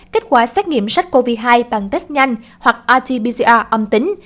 kết quả xét nghiệm sách covid hai bằng test nhanh hoặc rt pcr âm tính